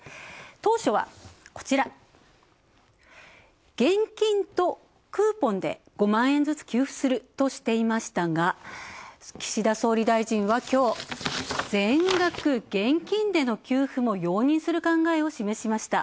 当初はこちら、現金とクーポンで５万円ずつ給付するとしていましたが、岸田総理大臣はきょう、全額現金での給付も容認することを示しました。